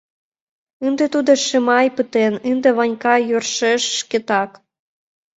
Ынде тудо Шимай пытен, ынде Ванька йӧршеш шкетак...